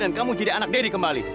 dan kamu jadi anak daddy kembali